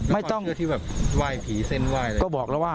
มั่นใจครับ